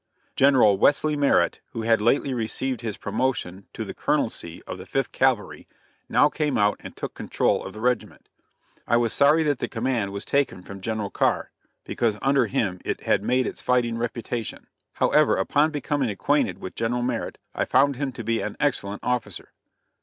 General Wesley Merritt who had lately received his promotion to the Colonelcy of the Fifth Cavalry now came out and took control of the regiment. I was sorry that the command was taken from General Carr, because under him it had made its fighting reputation. However, upon becoming acquainted with General Merritt, I found him to be an excellent officer.